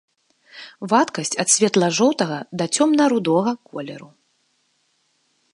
Вадкасць ад светла-жоўтага да цёмна-рудога колеру.